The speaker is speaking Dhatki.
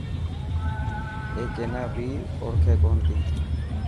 اي ڪينا بي اوڙ کي ڪو نتي.